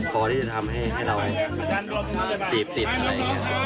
พอที่จะทำให้เราจีบติดอะไรอย่างนี้